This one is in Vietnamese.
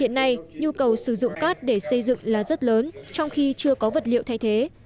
hiện nay nhu cầu sử dụng cát để xây dựng là rất lớn trong khi chưa có vật liệu thay thế